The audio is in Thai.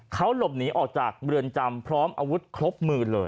เขาหลบหนีออกจากเรือนจำพร้อมอาวุธครบมือเลย